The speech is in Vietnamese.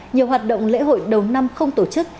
nhiều hoạt động lễ hội đầu năm không tổ chức